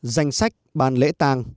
danh sách ban lễ tàng